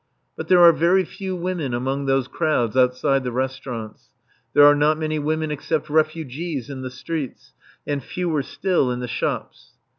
But there are very few women among those crowds outside the restaurants. There are not many women except refugees in the streets, and fewer still in the shops.